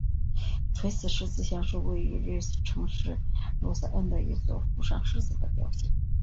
垂死狮子像是位于瑞士城市卢塞恩的一座负伤狮子的雕像。